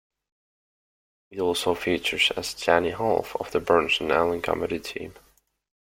It also features the zany half of the Burns and Allen comedy team.